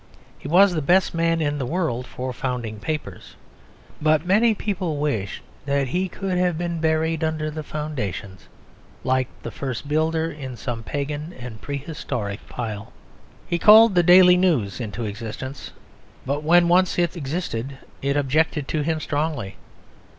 He was the best man in the world for founding papers; but many people wished that he could have been buried under the foundations, like the first builder in some pagan and prehistoric pile. He called the Daily News into existence, but when once it existed, it objected to him strongly.